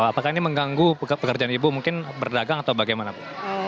apakah ini mengganggu pekerjaan ibu mungkin berdagang atau bagaimana bu